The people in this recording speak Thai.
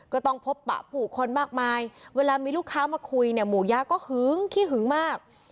ก็ต้องพบปะผู้คนมากมายเวลามีลูกค้ามาคุยเนี่ยหมู่ยะก็หึงขี้หึงมาก